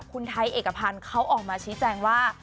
คุณไทยเอกพันธ์เขาออกมาชี้แจงว่า